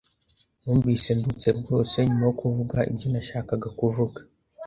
Numvise nduhutse rwose nyuma yo kuvuga ibyo nashakaga kuvuga .